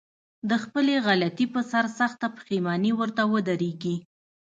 د خپلې غلطي په سر سخته پښېماني ورته ودرېږي.